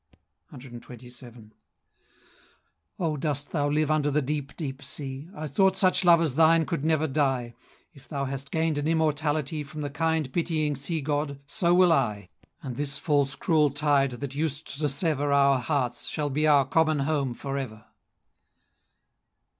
CXXVII. "Oh! dost thou live under the deep deep sea? I thought such love as thine could never die; If thou hast gain'd an immortality From the kind pitying sea god, so will I; And this false cruel tide that used to sever Our hearts, shall be our common home forever!"